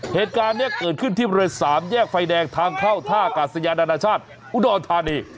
เหตุการณ์นี้เกิดขึ้นที่๓แยกไฟแดงทางเข้าท่ากับสยานอาณาชาติอุดอธานี